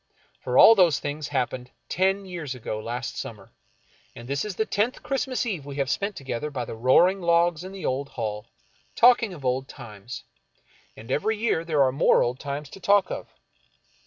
For all those things happened ten years ago last summer, and this is the tenth Christmas Eve we have spent together by the roaring logs in the old hall, talking of old times; and every year there are more old times to talk of.